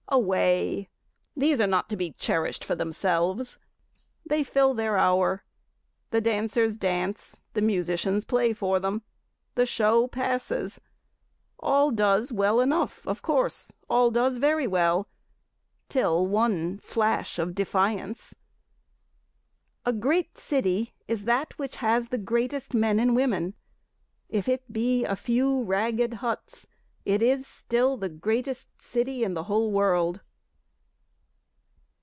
Away! these are not to be cherish'd for themselves, They fill their hour, the dancers dance, the musicians play for them, The show passes, all does well enough of course, All does very well till one flash of defiance. A great city is that which has the greatest men and women, If it be a few ragged huts it is still the greatest city in the whole world.